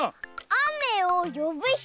あめをよぶひと！